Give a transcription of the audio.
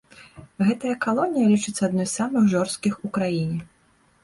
Гэтая калонія лічыцца адной з самых жорсткіх у краіне.